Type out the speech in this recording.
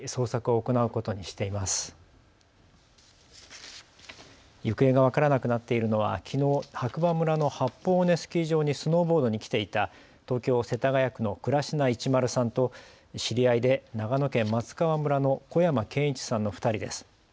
行方が分からなくなっているのはきのう白馬村の八方尾根スキー場にスノーボードに来ていた東京世田谷区の倉科一丸さんと知り合いで長野県松川村の小山賢一さんの２人です。